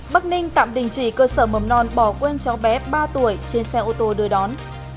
bắc ninh tạm đình chỉ cơ sở mầm non bỏ quên cháu bé ba tuổi trên xe ô tô đưa đón